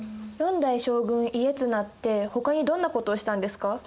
４代将軍・家綱ってほかにどんなことをしたんですか？